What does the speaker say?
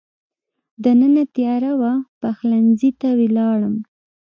دننه تېاره وه، پخلنځي ته ولاړم.